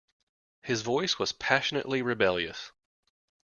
His voice was passionately rebellious.